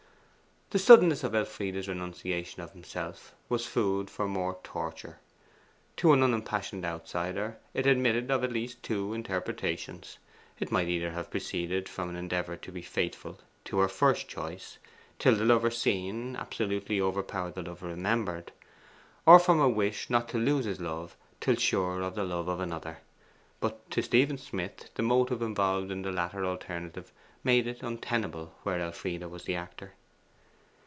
The suddenness of Elfride's renunciation of himself was food for more torture. To an unimpassioned outsider, it admitted of at least two interpretations it might either have proceeded from an endeavour to be faithful to her first choice, till the lover seen absolutely overpowered the lover remembered, or from a wish not to lose his love till sure of the love of another. But to Stephen Smith the motive involved in the latter alternative made it untenable where Elfride was the actor.